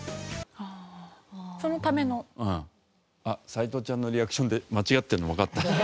あっ斎藤ちゃんのリアクションで間違ってるのわかった。